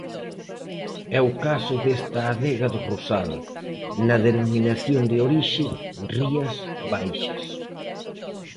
É o caso desta adega do Rosal, na denominación de orixe Rías Baixas.